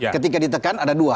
ketika ditekan ada dua